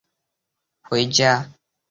斡特懒返还回家。